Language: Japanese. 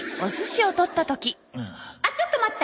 あっちょっと待った！